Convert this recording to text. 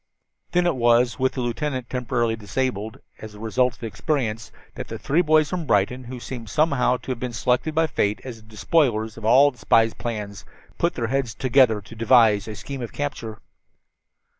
Then it was, with the lieutenant temporarily disabled as a result of his experience, that the three boys from Brighton, who seemed somehow to have been selected by Fate as the despoilers of all the spy's plans, put their heads together to devise a scheme of capture.